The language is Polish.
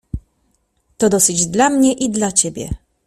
"To dosyć dla mnie i dla ciebie."